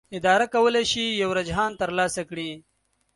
اداره کولی شي یو رجحان ترلاسه کړي.